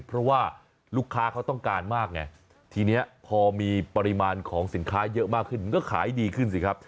เพราะว่าลูกค้าเขาต้องการมากไงทีนี้พอมีปริมาณของสินค้าเยอะมากขึ้นก็ขายดีขึ้นสิครับ